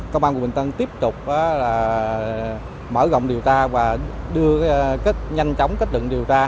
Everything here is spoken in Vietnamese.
công an tp hcm tiếp tục mở rộng điều tra và đưa nhanh chóng kết định điều tra